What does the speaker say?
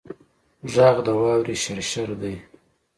غږ د واورې شرشر دی